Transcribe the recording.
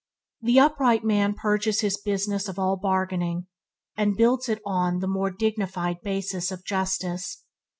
The upright man purges his business of all bargaining, and builds it one the more dignified basis of justice.